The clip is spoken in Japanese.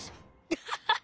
ハハハッ。